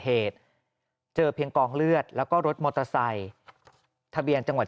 เหตุเจอเพียงกองเลือดแล้วก็รถมอเตอร์ไซค์ทะเบียนจังหวัด